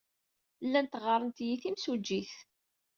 Llant ɣɣarent-iyi timsujjit.